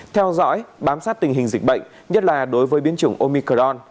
theo dõi bám sát tình hình dịch bệnh nhất là đối với biến chủng omicorn